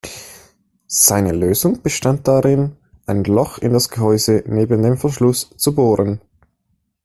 Seine Lösung bestand darin, ein Loch in das Gehäuse neben dem Verschluss zu bohren.